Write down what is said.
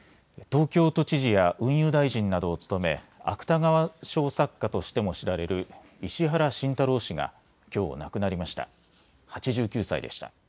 東京都知事や運輸大臣などを務め芥川賞作家としても知られる石原慎太郎氏がきょう亡くなりました。